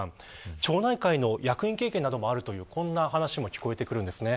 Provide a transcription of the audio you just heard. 町内会の役員経験もあるという話も聞こえてきます。